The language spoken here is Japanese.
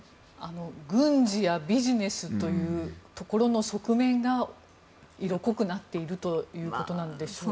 軍事やビジネスというところの側面が色濃くなっているということなんでしょうか。